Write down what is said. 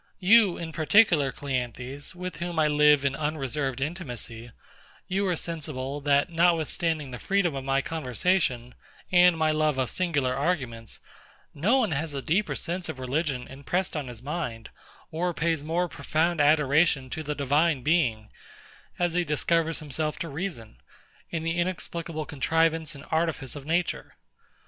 You, in particular, CLEANTHES, with whom I live in unreserved intimacy; you are sensible, that notwithstanding the freedom of my conversation, and my love of singular arguments, no one has a deeper sense of religion impressed on his mind, or pays more profound adoration to the Divine Being, as he discovers himself to reason, in the inexplicable contrivance and artifice of nature.